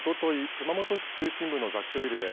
熊本市中心部の雑居ビルで